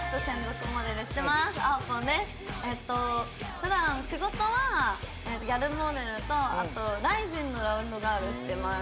普段仕事はギャルモデルとあとＲＩＺＩＮのラウンドガールしてます。